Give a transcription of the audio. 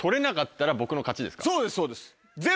そうですそうです。